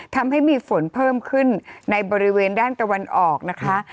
ทำให้มีฝนเพิ่มขึ้นในบริเวณด้านตะวันออกนะคะ